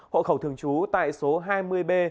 hộ khẩu thường trú tại số hai mươi b